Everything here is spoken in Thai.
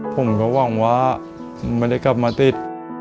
ผมก็ว่ามันไม่ได้กลับมาติด